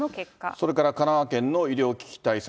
それから、神奈川県の医療危機対策